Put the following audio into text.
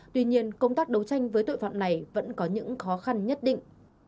tuy nhiên công tác đấu tranh với tội phạm này vẫn có những khó khăn nhất định